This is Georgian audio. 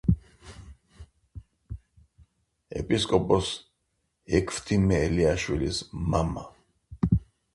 ეპისკოპოს ექვთიმე ელიაშვილის მამა.